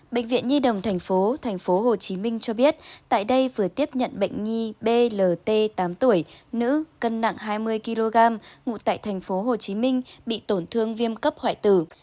bệnh viện nhi đồng thành phố thành phố hồ chí minh cho biết tại đây vừa tiếp nhận bệnh nhi blt tám tuổi nữ cân nặng hai mươi kg ngụ tại thành phố hồ chí minh bị tổn thương viêm cấp hoại tử